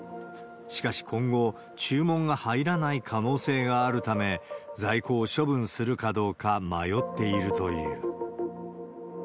しかし今後、注文が入らない可能性があるため、在庫を処分するかどうか迷っているという。